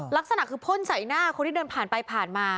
ลักษณะคือพ่นใส่หน้าคนที่เดินผ่านไปผ่านมา